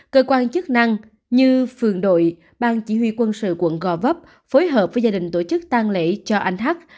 cơ quan chức năng như phường đội bang chỉ huy quân sự quận gò vấp phối hợp với gia đình tổ chức tang lễ cho anh hát